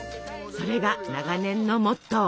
それが長年のモットー。